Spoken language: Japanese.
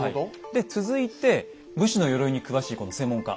で続いて武士の鎧に詳しいこの専門家